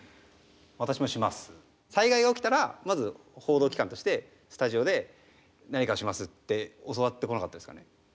災害が起きたらまず報道機関としてスタジオで何かをしますって教わってこなかったですかね。